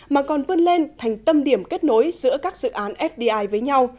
mà còn vươn lên thành tâm điểm kết nối giữa các dự án fdi với nhau